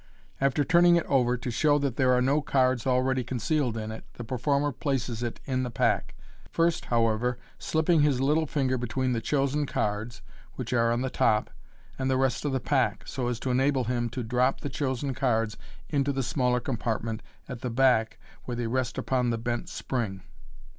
After turning it over, to show that there are no cards already concealed in it, the performer places in it the pack, first, however, slipping his little finger between the chosen cards (which are on the top) and the rest of the pack, so as to enable him to drop the chosen cards into the smaller compartment at the back where they rest upon the bent spring.